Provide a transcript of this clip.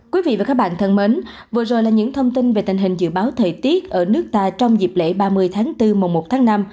quý vị và các bạn thân mến vừa rồi là những thông tin về tình hình dự báo thời tiết ở nước ta trong dịp lễ ba mươi tháng bốn mùa một tháng năm